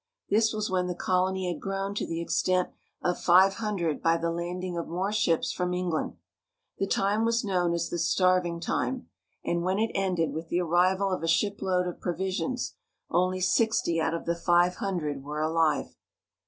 This was when the colony had grown to the extent of five hundred by the landing of more ships from England. The time was known as the Starving Time ; and when it ended with the arrival of a shipload of provisions, only sixty out of the five hundred were alive.